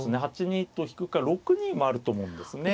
８二と引くか６二もあると思うんですね。